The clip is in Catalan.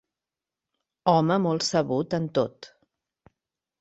Home molt sabut en tot.